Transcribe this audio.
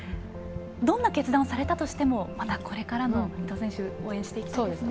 どんな決断をされたとしてもまたこれからの伊藤選手を応援していきたいですね。